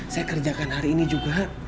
saya kerjakan hari ini juga